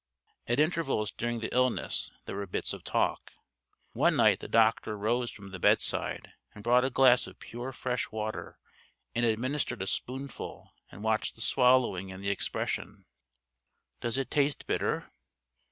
At intervals during the illness there were bits of talk. One night the doctor rose from the bedside and brought a glass of pure fresh water and administered a spoonful and watched the swallowing and the expression: "Does it taste bitter?"